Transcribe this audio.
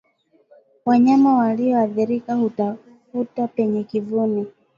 Wanyama walioathirika hutafuta penye kivuli